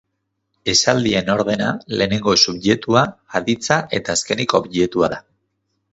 Esaldien ordena, lehenengo subjektua, aditza eta azkenik objektua da.